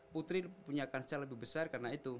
putri punya kansnya lebih besar karena itu